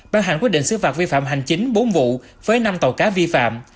bán hành quyết định xử phạt viên phạm hành chính bốn vụ với năm tàu cá vi phạm